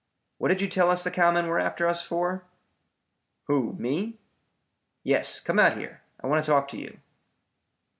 "What did you tell us the cowmen were after us for?" "Who, me?" "Yes, come out here. I want to talk to you."